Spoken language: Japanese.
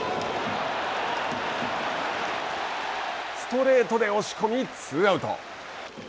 ストレートで押し込みツーアウト。